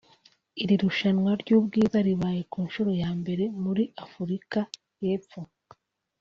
Iri rushanwa ry’ubwiza ribaye ku nshuro ya mbere muri Afurika y’Epfo